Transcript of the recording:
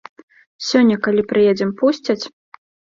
Сёння, калі прыедзем, пусцяць?